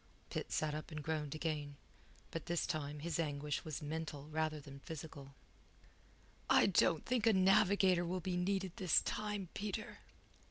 Pitt sat up and groaned again. But this time his anguish was mental rather than physical. "I don't think a navigator will be needed this time, Peter."